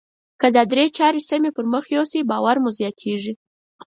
که دا درې چارې سمې پر مخ يوسئ باور مو زیاتیږي.